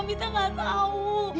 mita nggak tahu